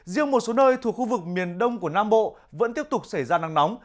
riêng một số nơi thuộc khu vực miền đông của nam bộ vẫn tiếp tục xảy ra nắng nóng